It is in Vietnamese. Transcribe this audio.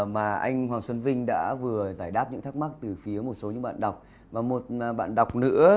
mà anh hoàng xuân vinh đã vừa giải đáp những thắc mắc từ phía một số những bạn đọc và một bạn đọc nữa